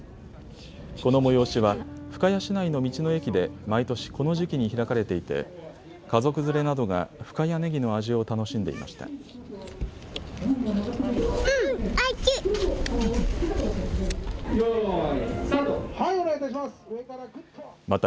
この催しは深谷市内の道の駅で毎年、この時期に開かれていて家族連れなどが深谷ねぎの味を楽しんでいました。